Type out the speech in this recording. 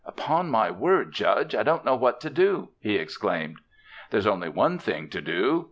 "Upon my word, Judge! I don't know what to do," he exclaimed. "There's only one thing to do.